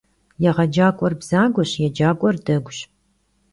Yêğecak'uer bzagueş, yêcak'uer deguş.